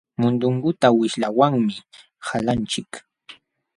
Mundunguta wishlawanmi qalanchik.